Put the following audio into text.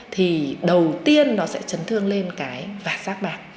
thì đầu tiên nó sẽ chấn thương lên cái vạc xác bạc